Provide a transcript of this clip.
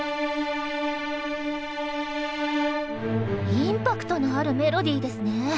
インパクトのあるメロディーですね。